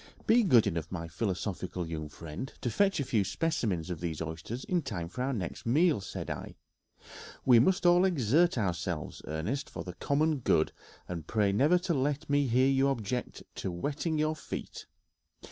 "Be good enough, my philosophical young friend, to fetch a few specimens of these oysters in time for our next meal," said I; "we must all exert ourselves, Ernest, for the common good, and pray never let me hear you object to wetting your feet.